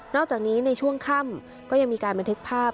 อกจากนี้ในช่วงค่ำก็ยังมีการบันทึกภาพ